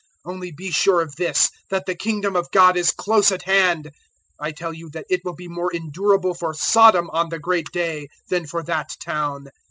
Only be sure of this, that the Kingdom of God is close at hand.' 010:012 "I tell you that it will be more endurable for Sodom on the great day than for that town.